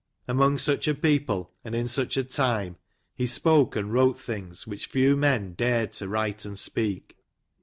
Among such a people, and in such a time, he spoke and wrote things, which few men dared to write and speak.